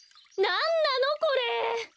なんなのこれ！